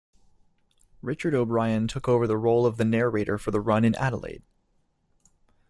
Richard O'Brien took over the role of the Narrator for the run in Adelaide.